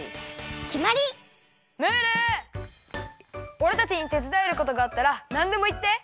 おれたちにてつだえることがあったらなんでもいって！